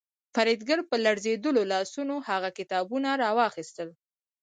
فریدګل په لړزېدلو لاسونو هغه کتابونه راواخیستل